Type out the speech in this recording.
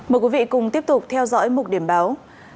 mời quý vị cùng tiếp tục theo dõi một điểm báo